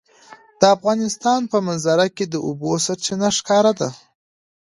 د افغانستان په منظره کې د اوبو سرچینې ښکاره ده.